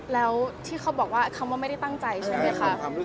แล้วที่เขาบอกว่าคำว่าไม่ได้ตั้งใจใช่ไหมคะ